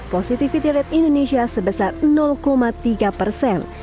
positivity rate indonesia sebesar tiga persen